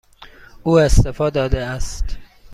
او استعفا داده است.